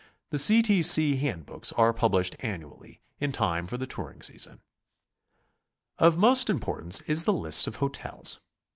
The C. T. C. Hand books are published annually, in time for the touring season. Of most importance is the list of hotels.